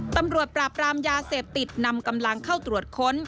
ตำรวจปราบรามยาเสพติดนำกำลังเข้าตรวจค้น